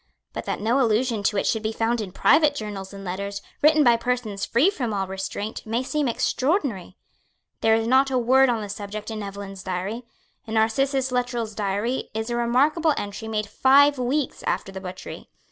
But that no allusion to it should be found in private journals and letters, written by persons free from all restraint, may seem extraordinary. There is not a word on the subject in Evelyn's Diary. In Narcissus Luttrell's Diary is a remarkable entry made five weeks after the butchery.